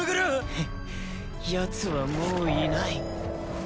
ヘッヤツはもういない。